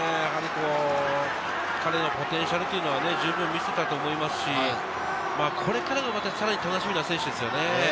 彼のポテンシャルというのは十分見せたと思いますし、これからがまたさらに楽しみな選手ですね。